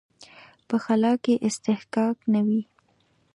په خلا کې اصطکاک نه وي.